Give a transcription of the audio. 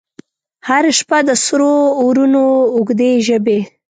هره شپه د سرو اورونو، اوږدي ژبې،